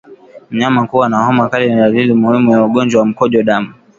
Mnyama kuwa na homa kali ni dalili muhimu ya ugonjwa wa mkojo damu